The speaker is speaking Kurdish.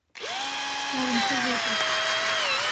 Çavên xwe veke.